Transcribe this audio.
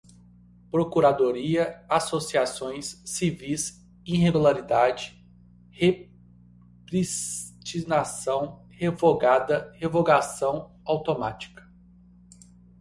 procuradoria, associações civis, irregularidade, repristinação, revogada, revogação, automática